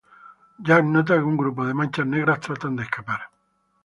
Jack nota que un grupo de manchas negras tratan de escapar.